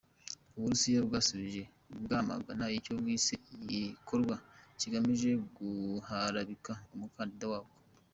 Uburusiya bwasubije bwamagana icyo bwise "igikorwa kigamije guharabika" umukandida wabwo.